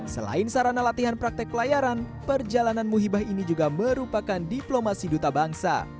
selain sarana latihan praktek pelayaran perjalanan muhibah ini juga merupakan diplomasi duta bangsa